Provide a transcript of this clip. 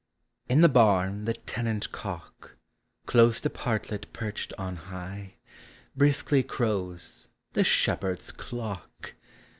In the barn the tenant cock, Close to partlet perched on high, Briskly crows (the shepherd's clock!)